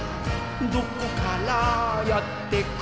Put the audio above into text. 「どこからやってくるの？」